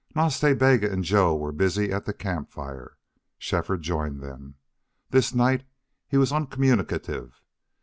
Nas Ta Bega and Joe were busy at the camp fire. Shefford joined them. This night he was uncommunicative.